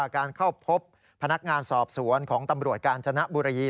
การเข้าพบพนักงานสอบสวนของตำรวจกาญจนบุรี